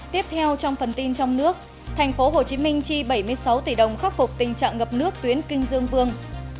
tiếp theo trong phần tin trong nước thành phố hồ chí minh chi bảy mươi sáu tỷ đồng khắc phục tình trạng ngập nước tuyến kinh dương vương